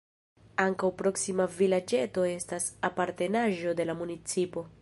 Ankaŭ proksima vilaĝeto estas apartenaĵo de la municipo.